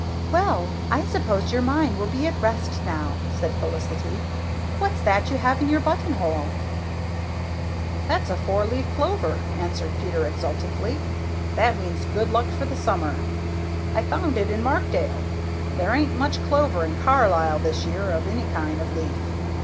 "Well, I suppose your mind will be at rest now," said Felicity. "What's that you have in your buttonhole?" "That's a four leaved clover," answered Peter exultantly. "That means good luck for the summer. I found it in Markdale. There ain't much clover in Carlisle this year of any kind of leaf.